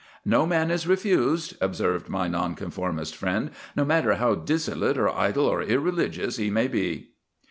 "No man is refused," observed my Nonconformist friend, "no matter how dissolute or idle or irreligious he may be."